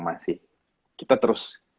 masih kita terus